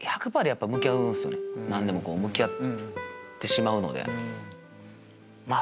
何でも向き合ってしまうので。